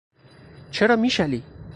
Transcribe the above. چرا میشلی؟